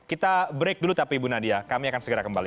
kita break dulu tapi bu nadia kami akan segera kembali